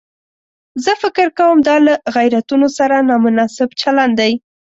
زه فکر کوم دا له غیرتونو سره نامناسب چلن دی.